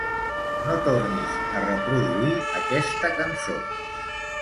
No tornis a reproduir aquesta cançó.